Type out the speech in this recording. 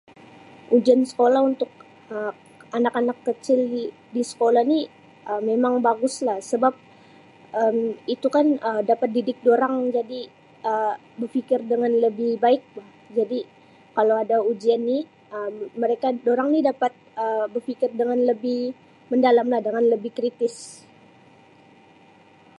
Ujian sekolah untuk Um anak-anak kecil di-di sekolah ni Um memang bagus lah sebab Um itu kan Um dapat didik dorang jadi Um berfikir dengan lebih baik bah jadi kalau ada ujian ni Um mereka dorang ni dapat Um berfikir dengan lebih mendalam lah dengan lebih kritis.